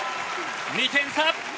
２点差。